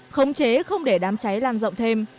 khống chế không để đám cháy lan rộng thêm